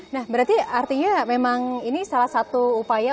nah berarti artinya memang ini salah satu upaya